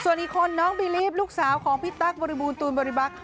ส่วนอีกคนน้องบีลีฟลูกสาวของพี่ตั๊กบริบูรณตูนบริบักษ